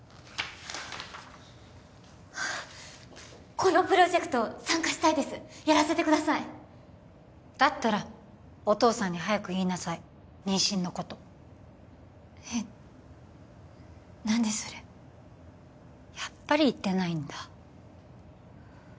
このプロジェクト参加したいですやらせてくださいだったらお父さんに早く言いなさい妊娠のことえっ何でそれやっぱり言ってないんだ